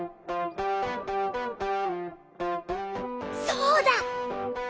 そうだ！